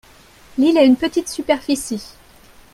L'île a une petite superficie.